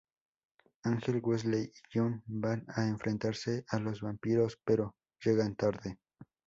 Ángel, Wesley y Gunn van a enfrentarse a los vampiros, pero llegan tarde.